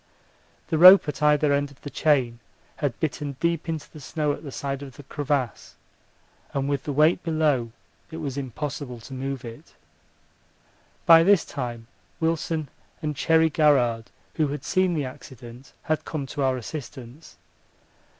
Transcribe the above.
The rope at either end of the chain had bitten deep into the snow at the side of the crevasse, and with the weight below, it was impossible to move it. By this time Wilson and Cherry Garrard, who had seen the accident, had come to our assistance.